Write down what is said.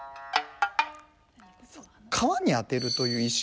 皮に当てるという意識で。